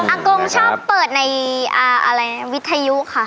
อากงชอบเปิดในวิทยุค่ะ